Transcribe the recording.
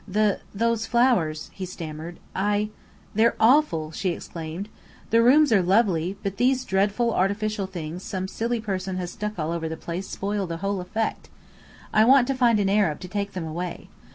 "The those flowers," he stammered. "I " "They're awful!" she exclaimed. "The rooms are lovely, but these dreadful artificial things some silly person has stuck all over the place spoil the whole effect. I want to find an Arab to take them away.